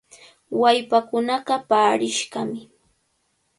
Wallpaakunaqa paarishqami.